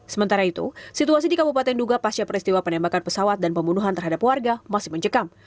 sementara itu situasi di kabupaten duga pasca peristiwa penembakan pesawat dan pembunuhan terhadap warga masih mencekam